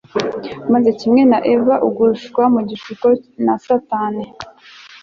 maze kimwe na Eva ugushwa mu gishuko na Satani